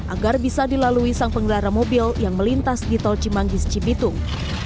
agar bisa dilalui sang pengelar mobil yang melintas di tol cimanggis cibitung